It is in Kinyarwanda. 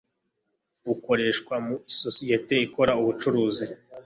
Akoreshwa mu isosiyete ikora ubucuruzi.